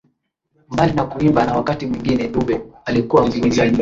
Mbali na kuimba na wakati mwingine dube alikuwa muigizaji